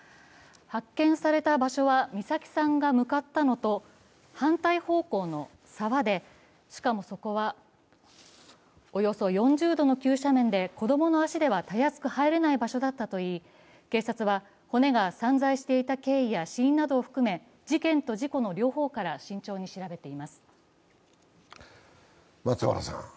発見された場所は美咲さんが向かったのと反対方向の沢で、しかもそこは、およそ４０度の急斜面で子供の足ではたやすく入れない場所だったといい、警察は骨が散在していた経緯や死因などを含め事件と事故の両方から慎重に調べています。